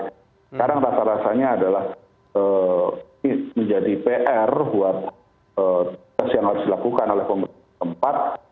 sekarang rata rasanya adalah menjadi pr buat tes yang harus dilakukan oleh pemerintah tempat